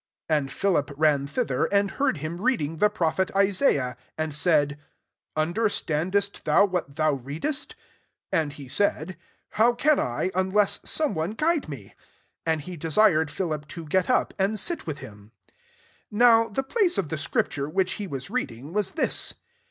30 And Philip ran thither, and heard him reading the prophet Isaiah, and said, " Understandest thou what thou readest ?" 31 And he said, " How can I, unless some one g^ide me ?", And he desired Philip to get up, and sit with him, 32 Now the place of the scripture which he ^ was read ing was this.